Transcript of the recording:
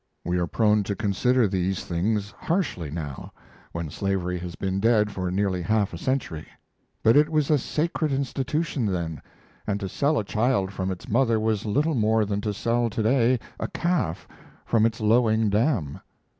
We are prone to consider these things harshly now, when slavery has been dead for nearly half a century, but it was a sacred institution then, and to sell a child from its mother was little more than to sell to day a calf from its lowing dam.